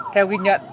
theo ghi nhận